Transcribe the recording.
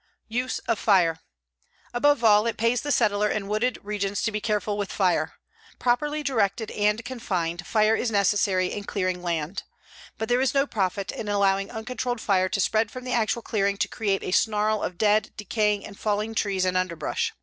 USE OF FIRE Above all, it pays the settler in wooded regions to be careful with fire. Properly directed and confined, fire is necessary in clearing land. But there is no profit in allowing uncontrolled fire to spread from the actual clearing to create a snarl of dead, decaying and falling trees and underbrush.